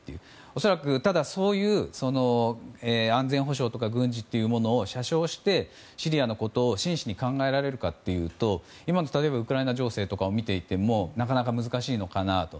恐らく、ただそういう安全保障とか軍事というものを捨象して、シリアのことを真摯に考えられるかというと今、例えばウクライナ情勢とかを見ていてもなかなか難しいのかなと。